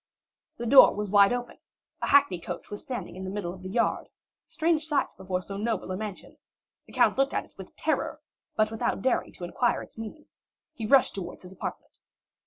The door was wide open, a hackney coach was standing in the middle of the yard—a strange sight before so noble a mansion; the count looked at it with terror, but without daring to inquire its meaning, he rushed towards his apartment.